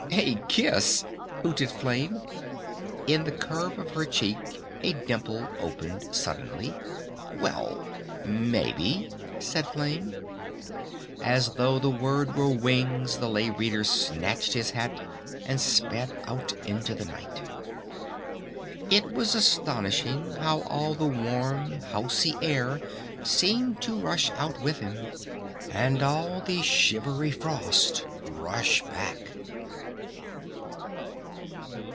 "A kiss?" hooted Flame. In the curve of her cheek a dimple opened suddenly. "Well ... maybe," said Flame. As though the word were wings the Lay Reader snatched his hat and sped out into the night. It was astonishing how all the warm housey air seemed to rush out with him, and all the shivery frost rush back.